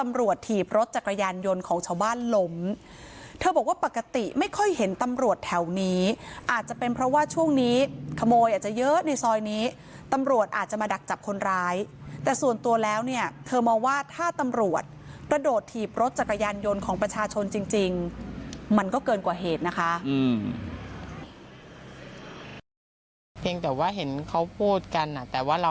ในซอยนี้ตำรวจอาจจะมาดักจับคนร้ายแต่ส่วนตัวแล้วเธอมองว่าถ้าตำรวจกระโดดถีบรถจักรยานยนต์ของประชาชนจริงมันก็เกินกว่าเหตุนะคะ